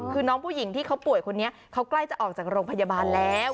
คือน้องผู้หญิงที่เขาป่วยคนนี้เขาใกล้จะออกจากโรงพยาบาลแล้ว